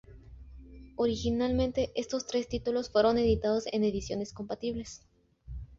Originalmente estos tres títulos fueron editados en ediciones compatibles.